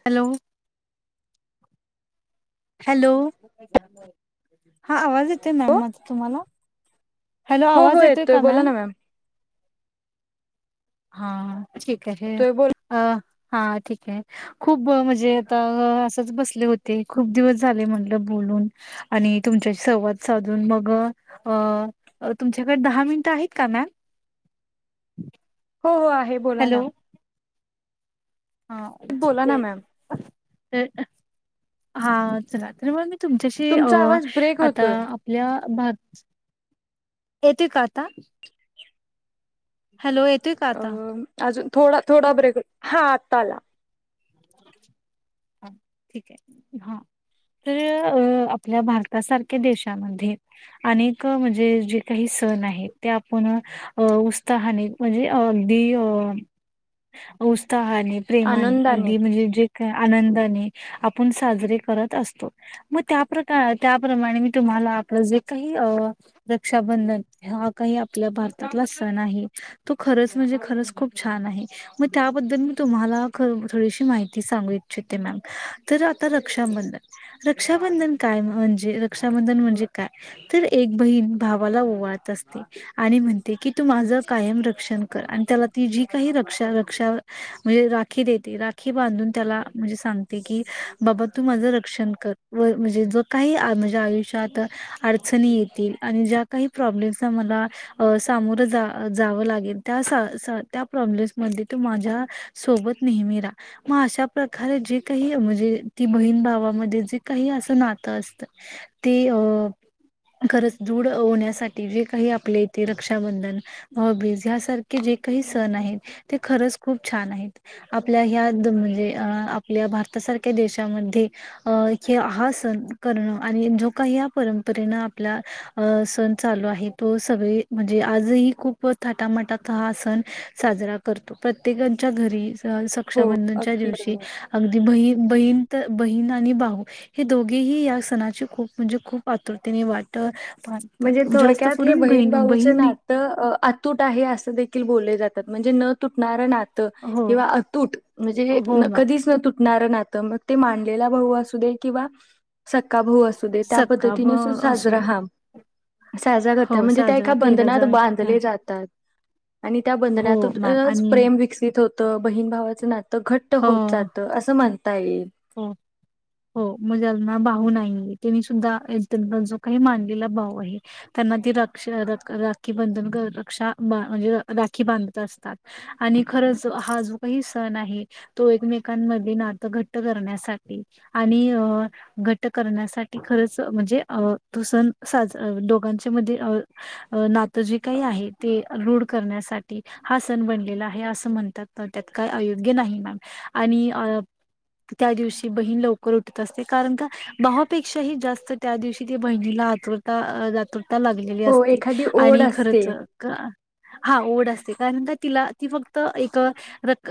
Hello. Hello हा आवाज येतो ना हो आवाज तुम्हाला हॅलो हो आवाज हो येतोय का बोला मॅम? ना हां, ठीक आहे, हे येतोय बोला अ. हां, ठीक आहे खूप म्हणजे आता असंच बसले होते खूप दिवस झाले म्हणलं बोलुन तुमच्याशी संवाद साधून, मग तुमच्याकडे दहा मिनट आहे. का मॅम? हो, हो, आहे बोला हॅलो ना. हा, बोला ठीक ना मॅम है, चलाात म तुमच्याशी तुमचा अं, आवाज ब्रेक आता होतोय आपल्या येेतय का आता? हॅलो येतोय का अ, आता अजून थोडा, थोडा ब्रेक. हां आता आला. ह, ठीक आहे हा‌. तर आपल्या भारतासारख्या देशामध्ये, अनेक म्हणजे जे काही सण आहे, ते आपण अ उत्साहाने म्हणजे अगदी उत्साहाने, प्रेमाने आनंदाने अगदी म्हणजे जे काय आनंदाने आपण साजरे करत असतो,, मग त्या त्याप्रमाणे मी तुम्हाला आपलं जे काही अं, रक्षाबंधन हा काही आपल्या भारतातला सण आहे, तो खरंच म्हणजे ख खरचं खुप छान आहे, मग त्या बद्दल मी तुम्हाला ख थोडीशी माहिती सांगू इच्छिते मॅम तर आता रक्षाबंधन, रक्षाबंधन कायऽळच्च ाधन म्हणजे काय? तर एक बहीण भावाला ओवाळत असते, आणि म्हण. तू माझं कायम रक्षण कर, आणि त्याला ती जी काही रक्षा, रक्षा म्हणजे राखी देत. राखी बांधून त्याला, म्हणजे सांगते की बाबा, तू माझ रक्षण कर णे काही ण माझ्या आयुष्यात अडचणी ऐतील, आणि ज्या काही प्रोब्लेम चा मला अ सामना मोरं जावं लागेल, त्या प्रॉब्लेम मधे माझ्या सोबत नेहमी रा, मग अशा प्रकारे जे काही म्हणजे ती, बहीण भावामध्ये जे काही असं ना. असत, ते अ खरच, दूढ होण्यासाठी जे काही आपले इथे रक्षाबंधन, हॉबीज यासारखे जे काही सण आहेत, ते खरंच खूप छान आहेत. आपल्या ह्या म्हणजे अ आपल्या भारतासारख्या देशामध्ये अ, हे, हा सण सण करणं, आणि जो काही परंपरेनं आपला सण चालू आहे तो सगळे म्हणजे आजही खूप थाटामाटचा हा सण साजरा करतो, प्रत्येकच्या घरी हो सक्षाबंधनच्या अगदी दिवशी, बरोबर अगदी बही बहीणंत बहीण आणि भाहू, हे दोघेही या सणाची खूप म्हणजे खूप आतुरतेने वाट. णजे बांधतात जास्त थोडक्यात हे करून बहीण बहिणी भाऊच बहिणी नातं अतूट आहे अस देखील बोलले जातात म्हणजे न तु णार नातं, हो किंवा अतूट म्हणजे हो मॅम कधीच न. नार नात, मग ते मांनलेला भाऊ असू दे किंवा सका भाऊ असू दे, या सक्का ब पद्धतीने सु असू साजरा दे हब साजरा हो करतात म्हणजे त्या साजरा एका केला बंधनात जा बांधले जातात. आणि त्या हो मॅम बंधनातच आणि प्रेम विकसित होतं, बहीण भावाचं नात. घट्ट हो होत जातं, असं म्हणता येईल. हो. हो मग जना भाऊ नाही, त्यांनी सुद्धा त्यां जो काही मानलेला भाऊ आहे. बधा म्हणजे राखी बांधत असतात. खरच, हा जो काही सण आहे, तो एकमेकांमध्ये नातं घ करण्यासाठी, आणि घट करण्यासाठी खरच म्हणजे तो सण साज दोघांच्या मध्ये अ नातं जे काही आहे ते रूढ करण्यासाठी हा सण बनलेला आहे, असं म्हणतात त्यात काय अयोग्य नाही मॅम आणि अ त्या दिवशी बहीण लवकर उठत असते कारण का भावापेक्षाही जास्त त्या दिवशी ते बहिणीला आतुरता अ आतुरता लागलेली हो असते एखादी ओढ आणि असते खरच क हां ओढ असते कारण तिला ती फक्त एक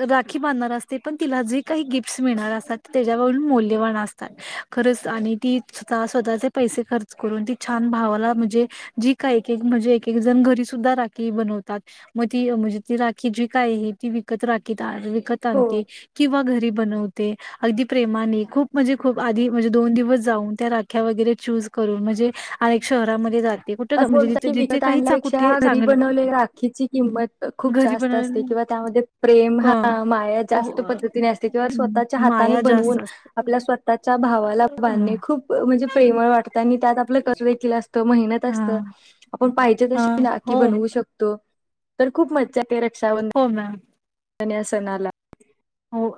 राखी बांधणार असते पण तिला जे काही गिफ्टस मिळणार असतात, त्याच्यावरून मौल्यवान असतात, खरच आणि ती स्वतः स्वतःचे पैसे खर्च करून ती छान भावाला म्हणजे जी का म्हणजे एक एकजण घरी सुद्धा राखी बनवतात. मग ती म्हणजे ती राखी जी काय आहे ती विकत राखी विकत हो आणते किंवा घरी बनव ते अगदी प्रेमाने खुप म्हणजे खुप आधी म्हणजे दोन दिवस जाऊन त्या राख्या वगैरे चुज करून जे अनेक शहरामध्ये जात असं बोलतात की विकत आणल्या पेक्षा घरी चांगलं बनवले राखीची किंमत खूप घरी जास्त असते बनवलेली किंवा त्यामध्ये प्रेम क हा माया ओ जास्त पद्धतीने असते किंवा हं, स्वतः हाताने माया जास्त बनवून असते. आपल्या स्वतःच्या अ भावाला बांधूने खूप म्हणजे प्रेमळ वाटत आणि त्यात आप [unintelligible] असत मेहनत हा असतं. हा ना हो बनवू शकतो, तर खूप मज्जा येते रक्षाबंधन हो, मॅम. [unintelligible] सणाला हो.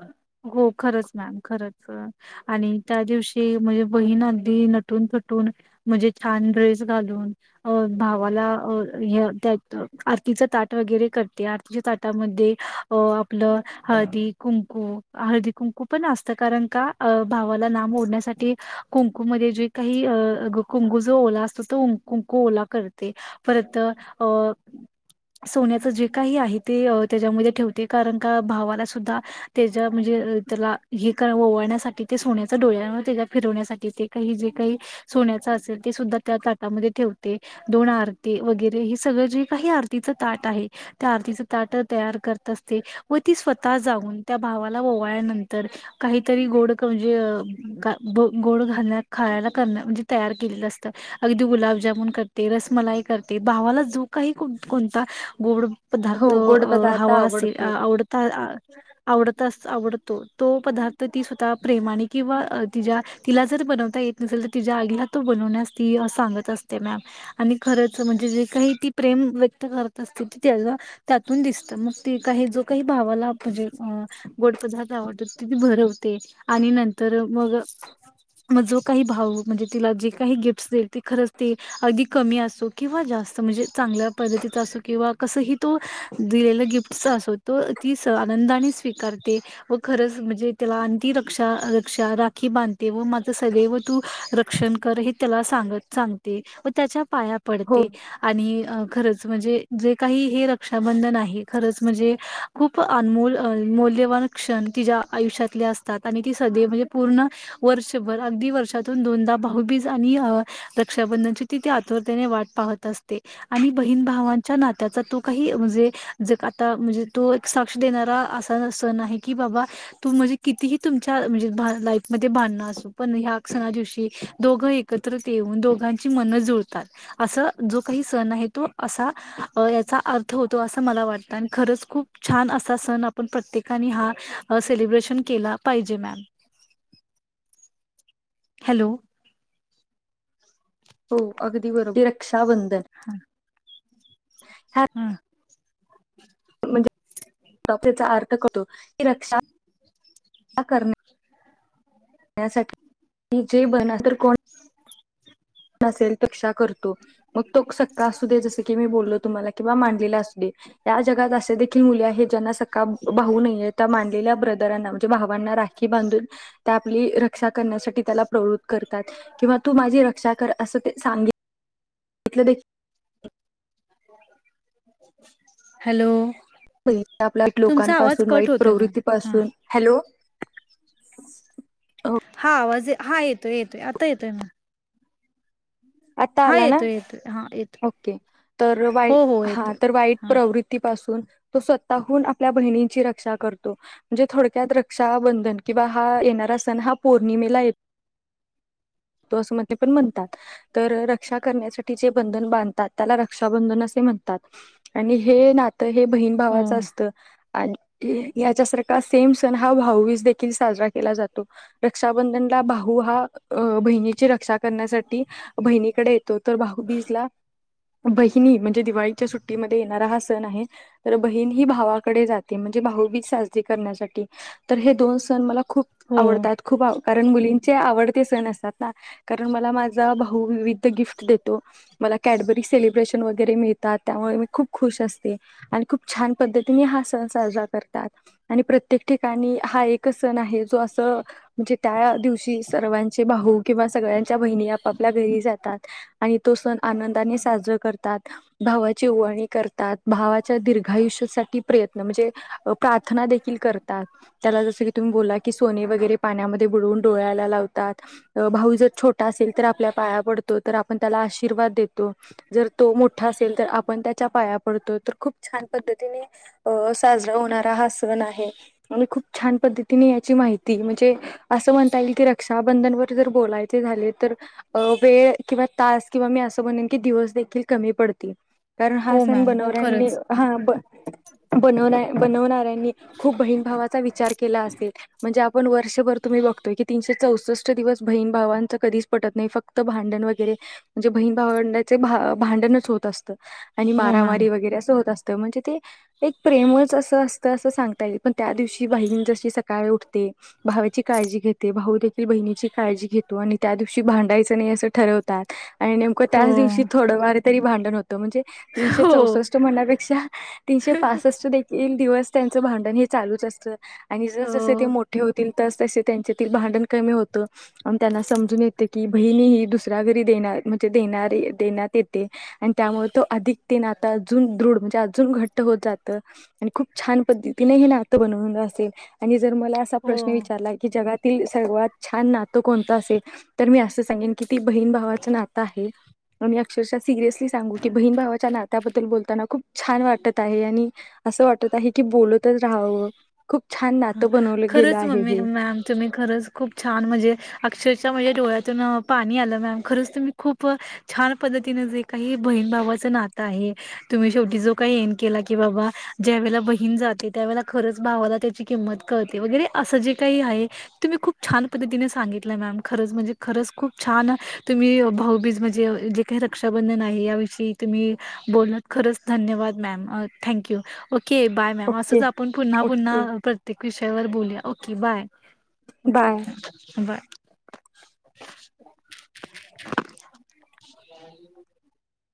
हो खरच मॅम, खरंच! आणि त्या दिवशी म्हणजे बहीण अगदी नटूनथटून म्हणजे छान ड्रेस घालून भावाला अ [unintelligible] आरतीचं ताट वगैरे करते. आरतीच्या ताटामध्ये, अ आपलं हळदी कुंकू, हळदी-कुंकू पण असतं कारण का? भावाला नाम ओढण्यासाठी कुंकू जे काही कुंकू जो ओला असतो, तो कुंकू ओला करते, परत सोन्याच जे काही आहे. ते त्याच्यामध्ये ठेवते, कारण का भावाला सुद्धा त्याच्या म्हणजे, त्याला हे ओवळण्यासाठी ते सोन्याचा डोळ्या त्या फिरवण्यासाठीही हे जे काही सोन्याचा असेल, ते सुद्धा त्या ताटामध्ये ठेवते. दोन आरती वगैरे हे सगळं जे काही आरतीच ताट आहे. त्या आरतीच ताट तयार करत असते. व ती स्वतः जाऊन त्या भावाला ओवाळल्या नंतर, काहीतरी गोड म्हणजे, गोड [unintelligible] म्हणजे तयार केलेलं असतं. अगदी गुलाब जामुन करते, रसमलाई करते. भावाला जो काही का कोणता गोड हो पदार्थ गोड पदार्थ हवा असेल? आवडतो आवडता आवडतो. तो पदार्थ ती स्वतः प्रेमाने किंवा, ति तिला जर बनवता येत तर तिच्या आईला तो बनवण्यास ती सांगत असते, ना आणि खरंच जे काही ते प्रेम. व्यक्त करत अस त्याला त्यातून दिसत. मग ते काही जो काही भावाला म्हणजे अ गोड पदार्थ आवडतो. तिथे भरवते आणि नंतर मग मग जो काही भाव म्हणजे, तिला जे काही गिफ्ट देते खरंच, ते अगदी कमी असो किंवा जास्त म्हणजे, चांगल्या पद्धतीचा असो किंवा कसही तो दिलेला गिफ्ट असो त ती आनंदाने स्वीकारते. व खरंच म्हणजे, त्याला [unintelligible] रक्षा रक्षा राखी बांधत. व मा सदैव तू रक्षण कर त्याला, सांग सांगते व त्याच्या पाया हो पडते, आणि खरचं. म्हणजे, जे काही हे रक्षाबंधन आहे. खरंच म्हणजे खूप अनमोल मौल्यवान क्षण तिच्या आयुष्यातले असतात. आणि ती [unintelligible] म्हणजे पूर्ण वर्ष भर अगदी वर्षातून दोनदा बाहुबीज आणि रक्षाबंधनची तिथे आतुरतेने वाट पाहत आणि बहिण भावांच्या नात्याचा तो, काही म्हणजे जग आता म्हणजे तो एक सांग देणार असा सण आहे. की बाबा तू म्हणजे कितीही तुमच्या, म्हणजे लाईफमध्ये भांडणार पण क्षणा दिवशी दोघ एकत्रित येऊन, दोघांची मन जुळतात. असं जो काही सण आहे. तो असा, याचा अर्थ होतो, असं मला वाटतं. आणि खरंच खूप छान! असा सण आपण प्रत्येकाने हा सेलब्रेशन केला, पाहिजे. Ma'am hello! हो, अगदी बरोबर रक्षाबंधन हा. ह्या हा. म्हणजे [unintelligible] त्याचा अर्थ करतो, की रक्षा [unintelligible] नंतर कोण? [unintelligible] करतो, मग तो सक्का असू दे जसं, की मी बोललो तुम्हाला? किंवा मानलेला असुदे, या जगात अशा देखील मुली आहेत, ज्यांना सक्का भाऊ नाहीये. त्या मान [unintelligible] ब्रदरांना म्हणजे, भावांना राखी बांधून त्या आपली रक्षा करण्यासाठी त्याला प्रवृत करतात. किंवा तू माझी रक्षा कर, असं ते सांगे म्हटलं दे [unintelligible] हॅलो आपल्या तुमचा आवाज लोकांपासून, वाईट कट होतोय मॅम हा प्रवृत्तीपासून, हॅलो [inaudible] हा आवाज, हा येतोय, येतोय आता येतोय मग आता हा आला ना येतो, येत हा येतोय ओके तर हो वाई हो हा येतोय तर वाईट हा प्रवृतीपासून तो स्वतःहून आपल्या बहिची रक्षा करतो म्हणजे थोडक्यात राबंधन किंवा हा देणारा सण हा पौर्णिमेला य [inaudible] तो असं मण ते पण म्हणतात तर रक्षा करण्यासाठी जे बंधन बांधतात त्याला रक्षाबंधन असे म्हणतात आणि हे ना तर हे बहीण हो भावाचं असतं आणि याच्या सारखा सेम सण हा भाऊबीज देखील साजरा केला जातो रक्षाबंधन भाऊ हा बहिची रक्षा करण्यासाठी बहिणीकडे येतो तर भाऊबीजला बहिणी म्हणजे दिवाळीच्या सुट्टीमध्ये येणारा हा सण आहे तर बहीण हि भावाकडे जाते म्हणजे भाऊबीज साजरी करण्यासाठी तर हे दोन सण मला खूप हो आवडतात खूप आ कारण मुलींचे आवडते सण असतात ना कारण मला माझा भाऊ हो विविध गिफ्ट देतो मला कॅडबरी से आणि खूप छान पद्धतीने हा सण साजरा करतात, आणि प्रत्येक ठिकाणी हा एकच सण आहे जो अस म्हणजे त्या दिवशी सर्वांचे भाऊ किंवा सगळ्यांच्या बहिणी आपाप ल्या घरी जातात आणि तो सण आनंदाने साजरा करतात, भावाची ओवाळणी करतात. भावाच्या दीर्घायुष्यासाठी प्रयत्न म्हणजे प्रार्थना देखील करतात, तेला जसं की तुम्ही बोला की सोने वगरे पाण्यामध्ये बुडवून डोळ्याला लाव तात भाऊ जर छोटा असेल तर आपल्या पाया पडतो तर आपण त्याला आशीर्वाद देतो, जर तो मोठा असेल तर आपण तेच्या पाया पडतो. तर खूप छान पद्धतीने अं साजरा होणार सण आहे म्हणून खूप छान पद्धतीने याची माहिती म्हणजे असं म्हणता येईल की रक्षाबंधन वर जर बोलायचे झालं तर अ वेळ किंवा तास किंवा मी असं म्हणेन की दिवस देखील कमी पडतील. कारण हा हो सण मॅम हो बनवर्यांनी खरंच हा ब बनवण्या बनवणाऱ्यांनी खूप बहीण भावाचा विचार केला असेल म्हणजे आ पण वर्षभर तुम्ही बघतोय की तीनशे चौसष्ट दिवस बहीण भावांच कधीचं पटत नाइ, फक्त भांडण वगरे म्हणजे बहीण भावंडाचे भा भांडणचं होत अस आणि हो मॅम मारामारी वगरे असं होत असतं म्हणजे ते एक प्रेमच असं अ तर असं सांगता येईल पण त्या दिवशी बहीण जशी सकाळी उठते, भावाची काळजी घेते, भाऊ देखील बहीण णीची काळजी घेतो आणि त्यादि शी भांडायच नाइ असं ठरवतात आणि नेमक हो त्याचं दिवशी थोड फार तरी भांडण हो म्हणजे तीनशे हो चौसष्ट म्हण्या पेक्षा तीनशे पासष्ट देखील दिवस तेच भांडण हे चालूच असत आणि जर हो जसे ते मोठे होतील तस तसे त्यांचे भांडण कमी होत आणि त्यांना समजून येते की बहिणी ही दुसऱ्या घरी देण्यात मते देणारे देण्यात येते. आणि त्यामुळे तो अधिक ते नातं अजून दृढ म्हणजे अजून घट्ट होत जातं आणि खूप छान प पद्धतीन हे नातं बनवल असेल आणि जर मला असा प्रश्न हो विचारला की जगातील सर्वात छान नातं कोणतं असेल? तर मी असं सांगेन की ती बहीण भावाचं नातं आहे [unintelligible] अक्षरशा सिरियली सांगू की बहीण भावाच्या नात्याबद्दल बोल ताना खूप छान वाटतं आहे आणि असं वाटत आहे की बोलतच राहावं. खूप छान हा, नातं बनवलं गेलं खरचं! आहे मम्मी हे. मॅमच मी खरंच खूप छान! म्हणजे, अक्षरच्या म्हणजे, डोळ्यातून पाणी आलं मॅम खरचं! तुम्ही खूप छान पद्धतीनं जे काही बहीण भावाच नात आहे, तुम्ही शेवटी जो काहीन केली, की बा ज्या वला बहीण जाते त्या [unintelligible] किंमत करते वगैरे असं जे काही आहे. तुम्हा खुप छान! पद्धतीने सांगितलं, ना खरंच म्हणजे खरचं खूप छान! आहे तुम्ही भाऊबीज जे म्हणजे, रक्षाबंधन आहे याविषयी तुम्ही बोलत खरंच जे, धन्यवाद ma'am thank you! Okay bye ma'am असंच ओके, आपण पुन्हा पुन्हा. ओके. प्रत्येक विषयावर बोलूया, okay bye! Bye. Okay bye! [unintelligible]